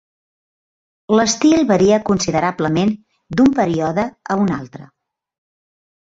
L'estil varia considerablement d'un període a un altre.